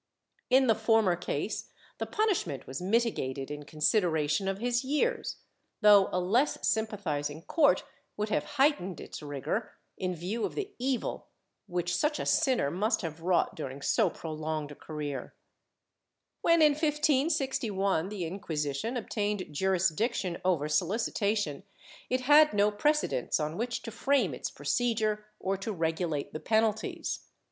In the former case the punishment was mitigated in consideration of his years, though a less sympathizing court would have heightened its rigor, in view of the evil which such a sinner must have wrought during so prolonged a career/ When, in 1561, the Inquisition obtained jurisdiction over solici tation, it had no precedents on which to frame its procedure or to regulate the penalties.